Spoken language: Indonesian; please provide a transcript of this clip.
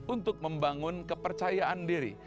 untuk membangun kepercayaan diri